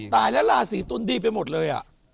ตายแล้วล่ะสีตุ๋นดีไปหมดเลย